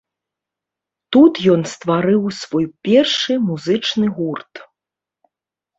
Тут ён стварыў свой першы музычны гурт.